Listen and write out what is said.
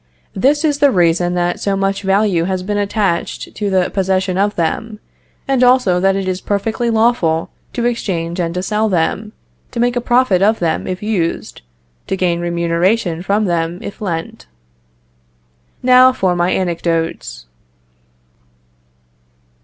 This is the reason that so much value has been attached to the possession of them, and also that it is perfectly lawful to exchange and to sell them, to make a profit of them if used, to gain remuneration from them if lent. Now for my anecdotes.